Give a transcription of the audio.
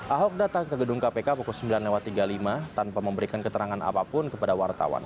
ahok datang ke gedung kpk pukul sembilan tiga puluh lima tanpa memberikan keterangan apapun kepada wartawan